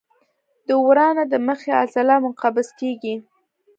د ورانه د مخې عضله منقبض کېږي.